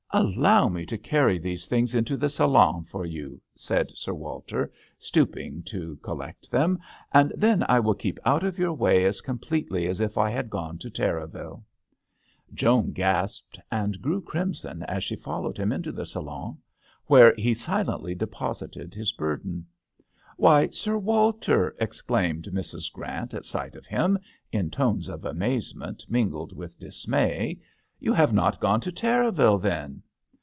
"Allow me to carry these things into the salon for you," said Sir Walter, stooping to col lect them, ''and then I will keep out of your way as com pletely as if I had gone to Terraville." Joan gasped and grew crimson as she followed him into the salon, where he silently deposited his burden. "Why, Sir Walter," exclaimed Mrs. Grant, at sight of him, in tones of amazement mingled with dismay, " you have not gone to Terraville, then